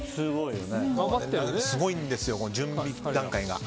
すごいんですよ、準備段階が。